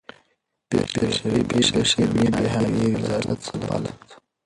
بې شرفي بې شرمي بې حیايي رذالت سفالت